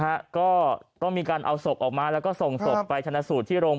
ฮะก็ต้องมีการเอาศพออกมาแล้วก็ส่งศพไปชนะสูตรที่โรง